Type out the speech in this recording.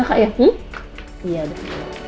iya kakak mau pentas loh